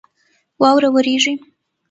واوره وریږي